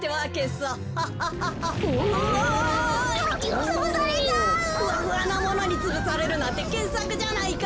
ふわふわなものにつぶされるなんてけっさくじゃないか。